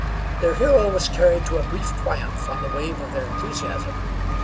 Their hero was carried to a brief triumph on the wave of their enthusiasm.